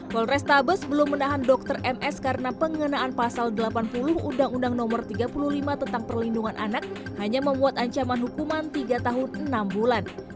polrestabes belum menahan dokter ms karena pengenaan pasal delapan puluh undang undang nomor tiga puluh lima tentang perlindungan anak hanya membuat ancaman hukuman tiga tahun enam bulan